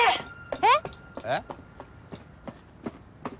えっ？えっ？